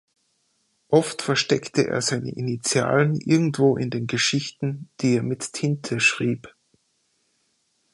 Oft versteckte er seine Initialen irgendwo in den Geschichten, die er mit Tinte schrieb.